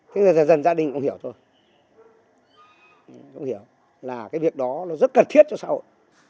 thế giờ dần dần gia đình không hiểu tôi không hiểu là cái việc đó rất cần thiết cho xã hội